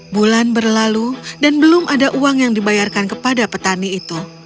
bulan berlalu dan belum ada uang yang dibayarkan kepada petani itu